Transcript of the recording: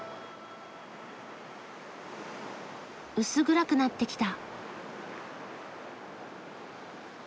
薄暗くなってきた。